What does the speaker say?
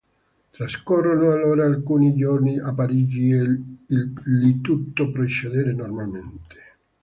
Trascorrono allora alcuni giorni a Parigi, e lì tutto procede normalmente.